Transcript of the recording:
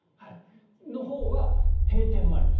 そのほうは閉店前です。